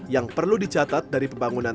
yang perlu dicatat dari pembangunan